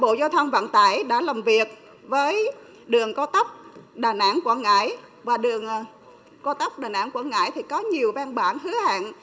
bộ giao thông vận tải đã làm việc với đường có tóc đà nẵng quảng ngãi và đường có tóc đà nẵng quảng ngãi thì có nhiều văn bản hứa hạn